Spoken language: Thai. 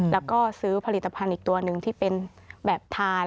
แล้วก็ซื้อผลิตภัณฑ์อีกตัวหนึ่งที่เป็นแบบทาน